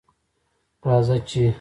راځه چې